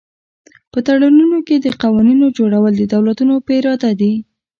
په تړونونو کې د قوانینو جوړول د دولتونو په اراده دي